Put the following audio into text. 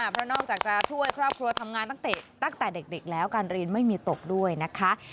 เพราะนอกจากจะช่วยครอบครัวทำงานตั้งแต่เด็กแล้วการเรียนไม่มีตกด้วยนะคะ